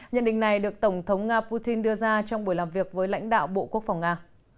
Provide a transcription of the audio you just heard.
nhận định này được tổng thống nga putin đưa ra trong buổi làm việc với lãnh đạo bộ quốc phòng nga